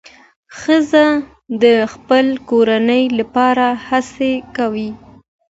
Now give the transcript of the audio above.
ښځه د خپل کورنۍ لپاره هڅې کوي.